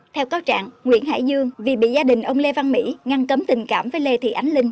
theo cáo trạng nguyễn hải dương vì bị gia đình ông lê văn mỹ ngăn cấm tình cảm với lê thị ánh linh